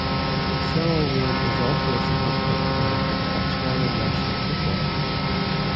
Selolwane is also a significant player for the Botswana national football team.